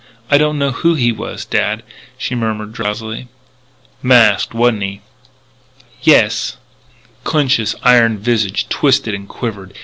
I don't know who he was, dad," she murmured drowsily. "Masked, wa'n't he?" "Yes." Clinch's iron visage twitched and quivered.